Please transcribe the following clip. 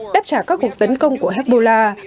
đáp trả các cuộc tấn công của hezbollah